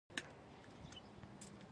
د بښنې غوښتنه د عزت نښه ده.